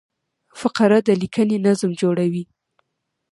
فقره د لیکني نظم جوړوي.